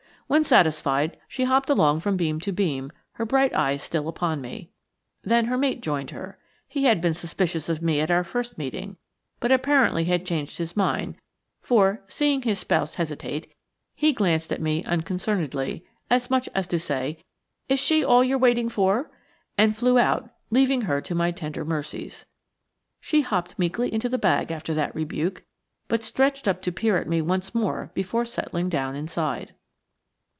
When satisfied, she hopped along from beam to beam, her bright eyes still upon me. Then her mate joined her. He had been suspicious of me at our first meeting, but apparently had changed his mind, for, seeing his spouse hesitate, he glanced at me unconcernedly, as much as to say, "Is she all you're waiting for?" and flew out, leaving her to my tender mercies. She hopped meekly into the bag after that rebuke, but stretched up to peer at me once more before settling down inside.